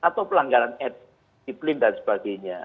atau pelanggaran ad diplin dan sebagainya